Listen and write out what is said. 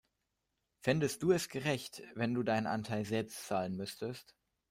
Fändest du es gerecht, wenn du deinen Anteil selbst zahlen müsstest?